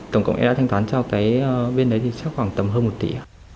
tổng cộng em đã thanh toán cho cái bên đấy thì chắc khoảng tầm hơn một tỷ